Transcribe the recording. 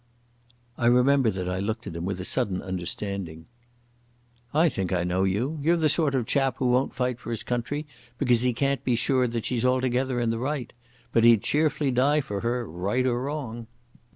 I remember that I looked at him with a sudden understanding. "I think I know you. You're the sort of chap who won't fight for his country because he can't be sure that she's altogether in the right. But he'd cheerfully die for her, right or wrong."